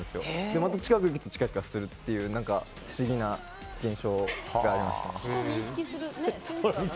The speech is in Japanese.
また近くに行くと点灯するという不思議な現象があって。